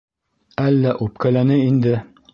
Әллә үпкәләне инде?